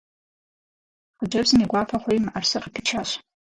Хъыджэбзым и гуапэ хъури мыӏэрысэр къыпичащ.